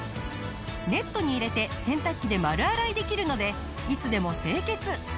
ネットに入れて洗濯機で丸洗いできるのでいつでも清潔。